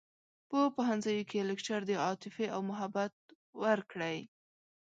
په پوهنځیوکې لکچر د عاطفې او محبت ورکړی